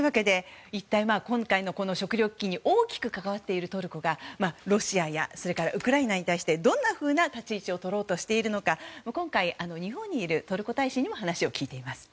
今回の食料危機に大きく関わっているトルコがロシアやウクライナに対してどんなふうな立ち位置を取ろうとしているのか今回、日本にいるトルコ大使にも話を聞いています。